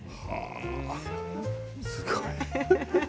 すごい。